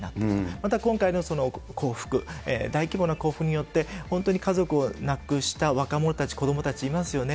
また今回のこうふく、大規模なこうふくによって、本当に家族を亡くした若者たち、子どもたちいますよね。